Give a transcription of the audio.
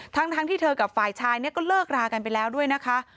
ทั้งที่เธอกับฝ่ายชายเนี่ยก็เลิกรากันไปแล้วด้วยนะคะ